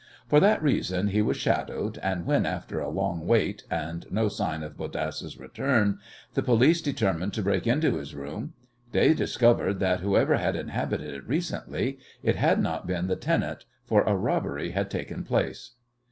For that reason he was shadowed, and, when, after a long wait and no sign of Bodasse's return, the police determined to break into his room they discovered that whoever had inhabited it recently it had not been the tenant, for a robbery had taken place.